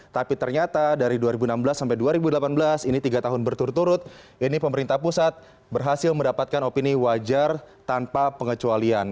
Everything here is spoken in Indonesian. tapi ternyata dari dua ribu enam belas sampai dua ribu delapan belas ini tiga tahun berturut turut ini pemerintah pusat berhasil mendapatkan opini wajar tanpa pengecualian